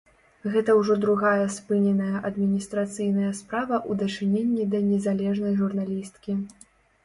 Гэта ўжо другая спыненая адміністрацыйная справа ў дачыненні да незалежнай журналісткі.